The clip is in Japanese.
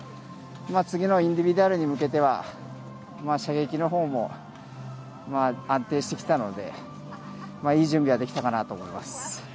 次のインディビジュアルに向けては射撃のほうも安定してきたのでいい準備はできたかなと思います。